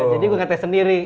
jadi gue kata sendiri